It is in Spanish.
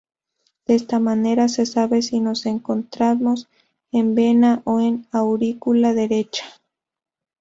De esta manera se sabe si nos encontramos en vena o en aurícula derecha.